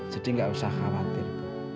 jadi gak usah khawatir